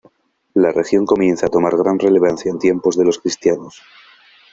La región comienza a tomar gran relevancia en tiempos de los cristianos.